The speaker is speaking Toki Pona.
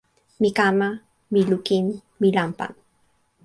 mi kama. mi lukin. mi lanpan.